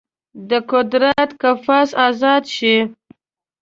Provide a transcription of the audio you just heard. د قدرت قفس ازاد شي